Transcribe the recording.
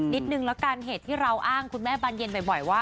นิดนึงแล้วกันเหตุที่เราอ้างคุณแม่บานเย็นบ่อยว่า